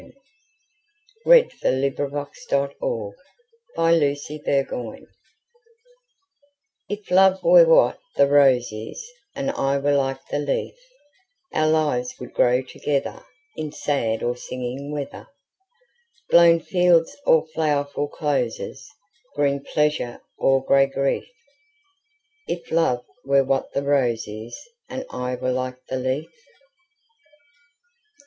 Algernon Charles Swinburne 738. A Match IF love were what the rose is, And I were like the leaf, Our lives would grow togetherIn sad or singing weather, Blown fields or flowerful closes, Green pleasure or gray grief; If love were what the rose is, And I were like the leaf.